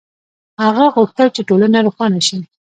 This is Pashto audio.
هغه غوښتل چې ټولنه روښانه شي.